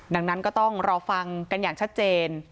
ดังนั้นก็ต้องรอฟังกันอย่างชัดเจน